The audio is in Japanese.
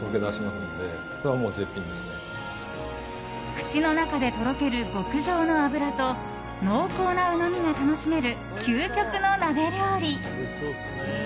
口の中でとろける極上の脂と濃厚なうまみが楽しめる究極の鍋料理。